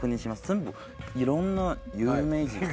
全部いろんな有名人が。